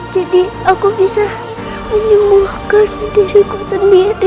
jadi aku bisa menyembuhkan diriku sendiri